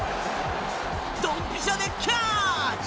ドンピシャでキャッチ！